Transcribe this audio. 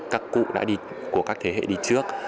các cụ đã đi của các thế hệ đi trước